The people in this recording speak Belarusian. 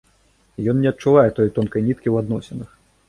Ён не адчувае той тонкай ніткі ў адносінах.